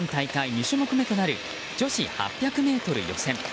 ２種目めとなる女子８００ｍ予選。